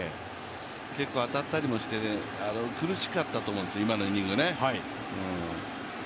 結構当たったりもして、苦しかったと思うんです、今のイニング。